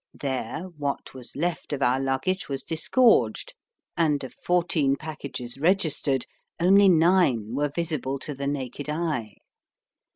There, what was left of our luggage was disgorged, and of fourteen packages registered, only nine were visible to the naked eye.